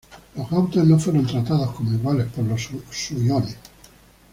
Los gautas no fueron tratados como iguales por los suiones.